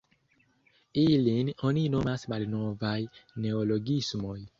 Ilin oni nomas "malnovaj neologismoj".